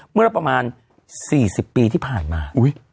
เมื่อละประมาณ๔๐ปีที่ผ่านมา